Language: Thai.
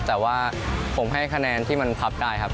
แต่ว่าผมให้คะแนนที่มันพับได้ครับ